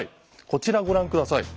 こちらご覧下さい。